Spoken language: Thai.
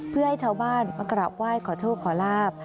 เพื่อให้ชาวบ้านมากราบไหว้ขอโชคขอลาบ